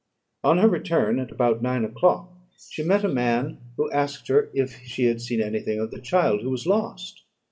On her return, at about nine o'clock, she met a man, who asked her if she had seen any thing of the child who was lost.